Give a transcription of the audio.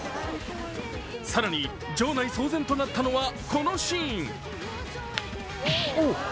更に場内騒然となったのはこのシーン。